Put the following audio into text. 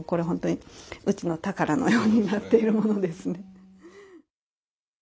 本当にうちの宝のようになっているものですね。